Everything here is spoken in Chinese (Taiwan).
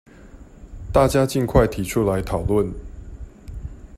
大家儘快提出來討論